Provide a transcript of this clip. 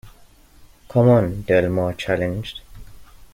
Come on, Del Mar challenged.